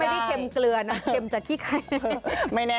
เค็มเกลือนะเค็มจากขี้ไข่